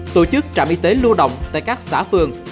tổ chức trạm y tế lưu động tại các xã phường